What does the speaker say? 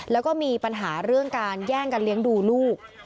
แล้วก็มีปัญหาเรื่องการแย่งกันเลี้ยงดูลูก